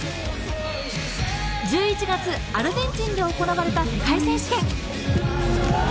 １１月、アルゼンチンで行われた世界選手権。